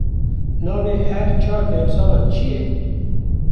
Nevê her çar demsalan çi ye?